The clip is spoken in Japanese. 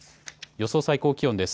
予想最高気温です。